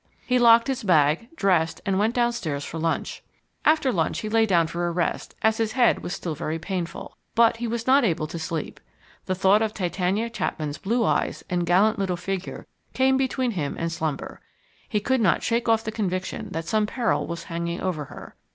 He locked his bag, dressed, and went downstairs for lunch. After lunch he lay down for a rest, as his head was still very painful. But he was not able to sleep. The thought of Titania Chapman's blue eyes and gallant little figure came between him and slumber. He could not shake off the conviction that some peril was hanging over her.